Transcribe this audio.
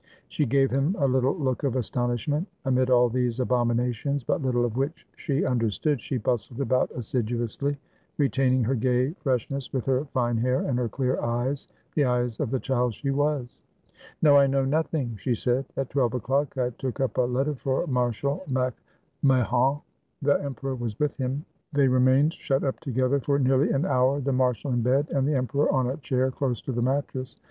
She gave him a little look of astonishment. Amid all these abominations, but little of which she understood, she bustled about assiduously, retaining her gay fresh ness, with her fine hair and her clear eyes, the eyes of the child she was. "No, I know nothing," she said; "at twelve o'clock I took up a letter for Marshal MacIMa hon. The emperor was Vv^ith him. They remained shut up together for nearly an hour, the marshal in bed, and the emperor on a chair close to the mattress.